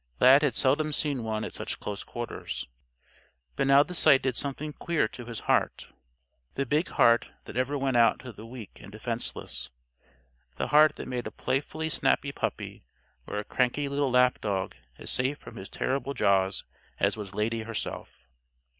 Lad had seldom seen one at such close quarters. But now the sight did something queer to his heart the big heart that ever went out to the weak and defenseless, the heart that made a playfully snapping puppy or a cranky little lapdog as safe from his terrible jaws as was Lady herself.